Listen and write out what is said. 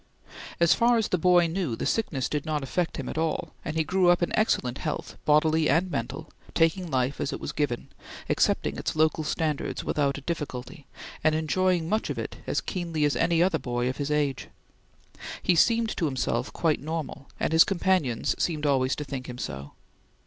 As far as the boy knew, the sickness did not affect him at all, and he grew up in excellent health, bodily and mental, taking life as it was given; accepting its local standards without a difficulty, and enjoying much of it as keenly as any other boy of his age. He seemed to himself quite normal, and his companions seemed always to think him so.